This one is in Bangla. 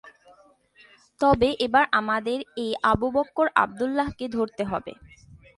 তবে এবার আমাদের এই আবু বকর আবদুল্লাহকে ধরতে হবে।